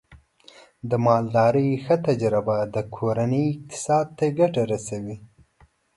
د مالدارۍ ښه تجربه د کورنۍ اقتصاد ته ګټه رسوي.